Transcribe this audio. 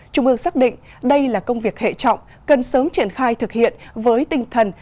trung ương xác định đây là công việc hệ trọng cần sớm triển khai thực hiện với tinh thần